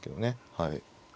はい。